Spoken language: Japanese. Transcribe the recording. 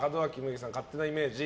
勝手なイメージ。